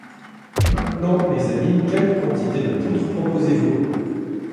Maintenant, mes amis, quelle quantité de poudre proposez-vous ?